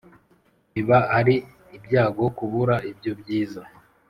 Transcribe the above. biba ari ibyago kubura ibyo byiza